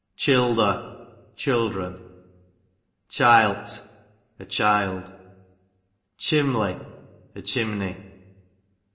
Childer, children. Chilt, a child. Chimley, a chimney.